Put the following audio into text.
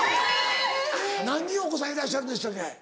何人お子さんいらっしゃるんでしたっけ？